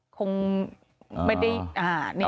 คงไม่ได้อ่านี่นะครับ